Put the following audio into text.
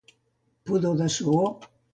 Pudor de suor.